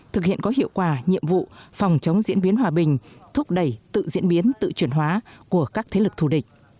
thực hiện có hiệu quả nhiệm vụ phòng chống diễn biến hòa bình thúc đẩy tự diễn biến tự chuyển hóa của các thế lực thù địch